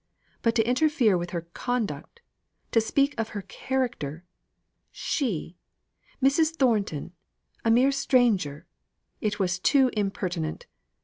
But to interfere with her conduct to speak of her character! she Mrs. Thornton, a mere stranger it was too impertinent!